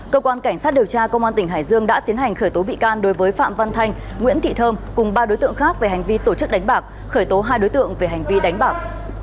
cơ quan cảnh sát điều tra công an tỉnh hải dương đã tiến hành khởi tố bị can đối với phạm văn thanh nguyễn thị thơm cùng ba đối tượng khác về hành vi tổ chức đánh bạc khởi tố hai đối tượng về hành vi đánh bạc